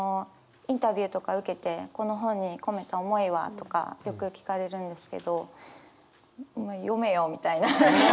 インタビューとか受けて「この本に込めた思いは？」とかよく聞かれるんですけど読めよみたいな。